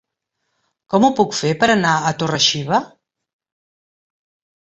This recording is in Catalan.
Com ho puc fer per anar a Torre-xiva?